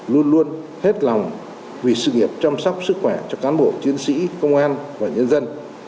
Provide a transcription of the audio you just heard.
luôn luôn hết lòng vì sự nghiệp chăm sóc sức khỏe cho cán bộ chiến sĩ công an và nhân dân